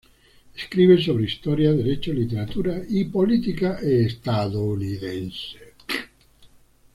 Escribe sobre historia, derecho, literatura y política estadounidense.